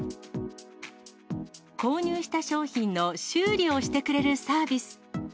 購入した商品の修理をしてくれるサービス。